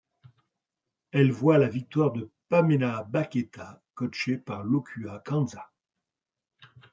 Elle voit la victoire de Pamela Baketa, coachée par Lokua Kanza.